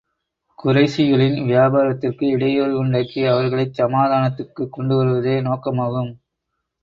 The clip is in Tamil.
குறைஷிகளின் வியாபாரத்துக்கு இடையூறு உண்டாக்கி, அவர்களைச் சமாதானத்துக்குக் கொண்டு வருவதே நோக்கமாகும்.